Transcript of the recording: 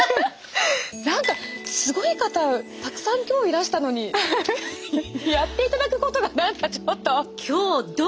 何かすごい方たくさん今日いらしたのにやっていただくことが何かちょっと。